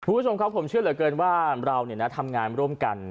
คุณผู้ชมครับผมเชื่อเหลือเกินว่าเราทำงานร่วมกัน